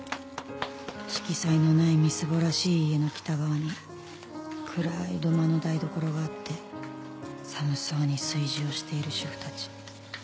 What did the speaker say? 色彩のないみすぼらしい家の北側に暗い土間の台所があって寒そうに炊事をしている主婦たち。